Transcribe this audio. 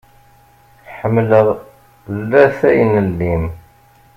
Ḥemmeleɣ llatay n llim.